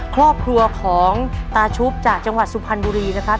ครอบครัวของตาชุบจากจังหวัดสุพรรณบุรีนะครับ